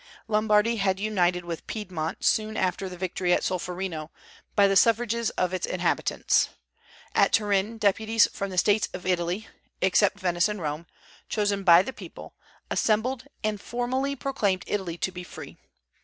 Lombardy had united with Piedmont soon after the victory at Solferino, by the suffrages of its inhabitants. At Turin, deputies from the States of Italy, except Venice and Rome, chosen by the people, assembled, and formally proclaimed Italy to be free.